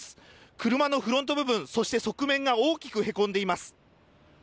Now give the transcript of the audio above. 車のフロント部分そして側面が大きくへこんでいます。